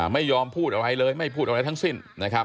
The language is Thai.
ไม่ยอมพูดอะไรเลยไม่พูดอะไรทั้งสิ้นนะครับ